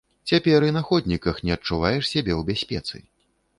Цяпер і на ходніках не адчуваеш сябе ў бяспецы.